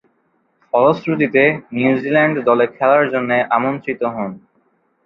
ফলশ্রুতিতে, নিউজিল্যান্ড দলে খেলার জন্যে আমন্ত্রিত হন।